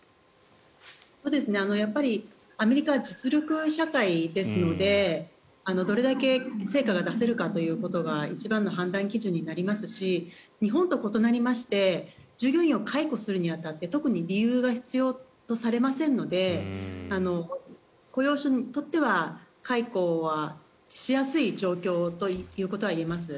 やっぱりアメリカは実力社会ですのでどれだけ成果が出せるかということが一番の判断基準になりますし日本と異なりまして従業員を解雇するに当たって特に理由が必要とされませんので雇用者にとっては解雇はしやすい状況ということは言えます。